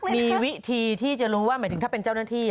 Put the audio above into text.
มีวิธีที่จะรู้ว่าหมายถึงถ้าเป็นเจ้าหน้าที่